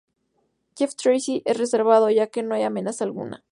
Jeff Tracy es reservado, ya que no hay amenaza alguna.